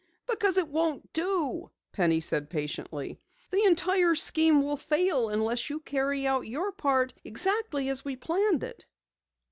"Because it won't do," Penny said patiently. "The entire scheme will fail unless you carry out your part exactly as we planned it."